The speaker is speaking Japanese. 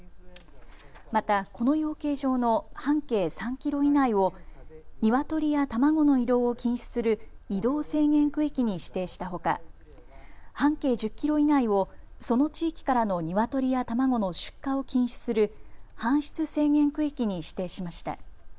また、この養鶏場の半径３キロ以内をニワトリや卵の移動を禁止する移動制限区域に指定したほか半径１０キロ以内をその地域からのニワトリや卵の出荷を禁止する搬出制限区域に指定しました。